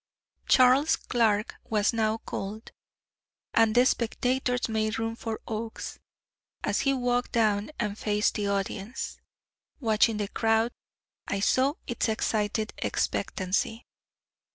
Charles Clark was now called, and the spectators made room for Oakes, as he walked down and faced the audience. Watching the crowd, I saw its excited expectancy.